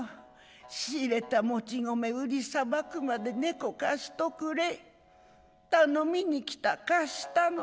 支入れた米売りさばくまで猫貸しとくれ頼みに来た貸したの。